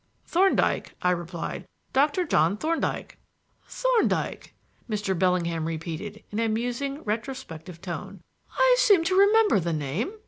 "Thorndyke," I replied. "Doctor John Thorndyke." "Thorndyke," Mr. Bellingham repeated in a musing, retrospective tone. "I seem to remember the name.